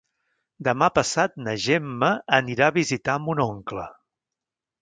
Demà passat na Gemma anirà a visitar mon oncle.